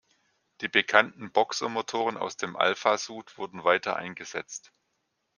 Die bekannten Boxermotoren aus dem Alfasud wurden weiter eingesetzt.